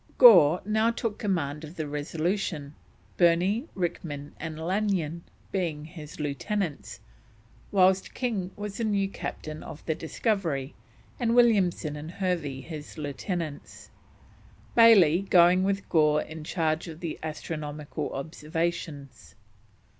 Gore now took command of the Resolution, Burney, Rickman, and Lanyon being his lieutenants, whilst King was the new Captain of the Discovery, and Williamson and Hervey his lieutenants; Bayley going with Gore in charge of the astronomical observations.